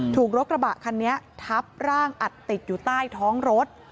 ถูกรถกระบะคันนี้ทับร่างอัดติดอยู่ใต้ท้องรถ